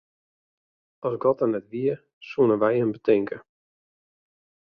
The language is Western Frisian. As God der net wie, soenen wy him betinke.